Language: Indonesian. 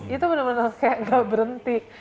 itu bener bener kayak gak berhenti